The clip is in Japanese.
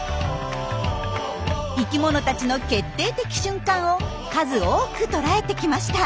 生きものたちの決定的瞬間を数多くとらえてきました。